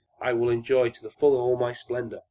"I will enjoy to the full all my splendor!